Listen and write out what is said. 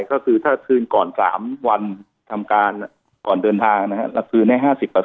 ก็คือถ้าคืนก่อน๓วันทำการก่อนเดินทางนะครับเราคืนให้๕๐